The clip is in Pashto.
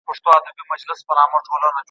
دولت جوړ کړئ.